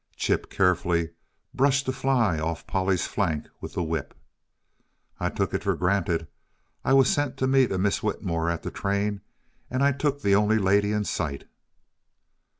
Chip carefully brushed a fly off Polly's flank with the whip. "I took it for granted. I was sent to meet a Miss Whitmore at the train, and I took the only lady in sight."